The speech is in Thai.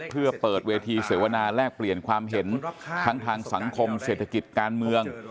เพื่อเปิดเวทีเสวนาแลกเปลี่ยนความเห็นทั้งทางสังคมเศรษฐกิจการเมือง